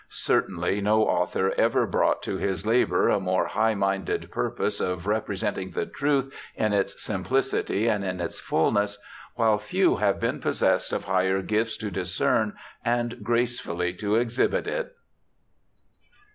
Certainly no author ever brought to his labour a more high minded purpose of representing the truth in its sim plicity and in its fullness, while few have been possessed of higher gifts to discern, and gracefully to exhibit it.'